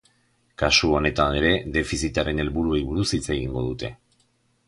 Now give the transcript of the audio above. Kasu honetan ere, defizitaren helburuei buruz hitz egingo dute.